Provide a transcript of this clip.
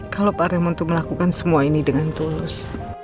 kalau pak raymond tuh melakukan semua ini dengan tulus